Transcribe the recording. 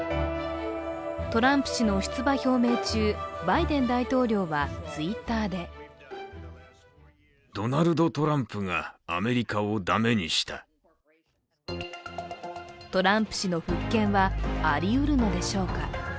トランプ氏の出馬表明中バイデン大統領はＴｗｉｔｔｅｒでトランプ氏の復権はありうるのでしょうか。